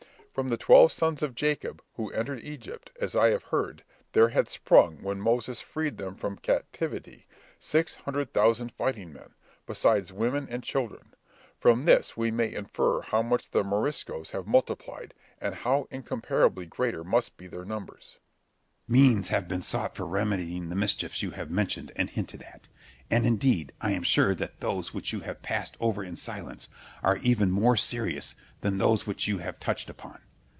From the twelve sons of Jacob, who entered Egypt, as I have heard, there had sprung, when Moses freed them from captivity, six hundred thousand fighting men, besides women and children. From this we may infer how much the Moriscoes have multiplied, and how incomparably greater must be their numbers. Scip. Means have been sought for remedying the mischiefs you have mentioned and hinted at; and, indeed, I am sure that those which you have passed over in silence, are even more serious than those which you have touched upon.